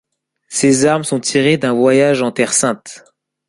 Ses armes sont tirées d'un voyage en Terre Sainte.